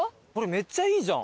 めっちゃいいじゃん。